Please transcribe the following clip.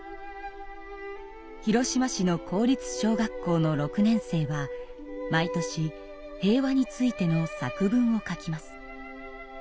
広島市の公立小学校の６年生は毎年平和についての作文を書きます。